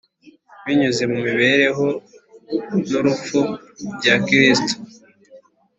Binyuze mu mibereho n’urupfu bya Kristo